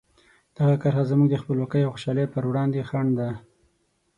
دغه کرښه زموږ د خپلواکۍ او خوشحالۍ په وړاندې خنډ ده.